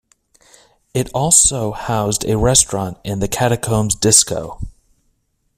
It also housed a restaurant and a The Catacombs Disco.